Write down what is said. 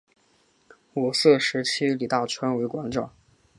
五四时期李大钊为馆长。